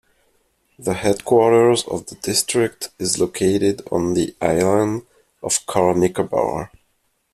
The headquarters of the district is located on the island of Car Nicobar.